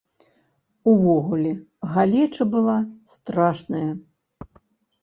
Увогуле, галеча была страшная.